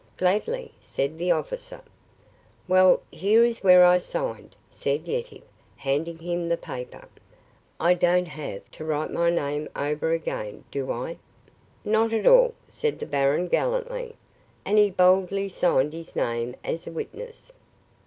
"Gladly," said the officer. "Well, here is where I signed," said Yetive, handing him the paper. "I don't have to write my name over again, do I?" "Not at all," said the baron gallantly. And he boldly signed his name as a witness.